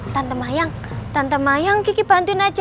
tante mayang tante mayang kiki bantuin aja ya